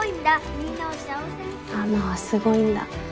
みんなを幸せにする「ママはすごいんだ。